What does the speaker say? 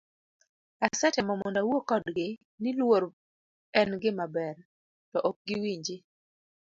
Asetemo mondo awuo kodgi, ni luor en gima ber, to ok giwinji.